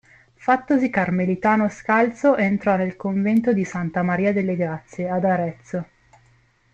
Fattosi carmelitano scalzo entrò nel convento di Santa Maria delle Grazie, ad Arezzo.